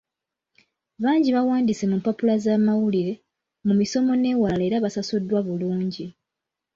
Bangi bawandiise mu mpapula z'amawulire, mu misomo n'ewalala era basasuddwa bulungi.